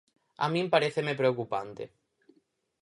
A min paréceme preocupante.